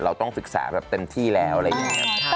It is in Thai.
เราต้องศึกษาแบบเต็มที่แล้วอะไรอย่างนี้